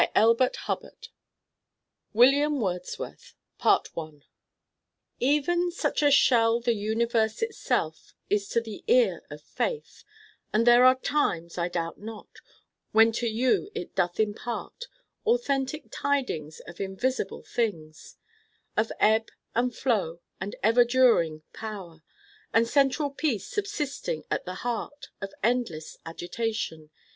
If not this, then the Pantheon. WM. WORDSWORTH Even such a shell the universe itself Is to the ear of Faith; and there are times, I doubt not, when to you it doth impart Authentic tidings of invisible things; Of ebb and flow and ever during power; And central peace subsisting at the heart Of endless agitation.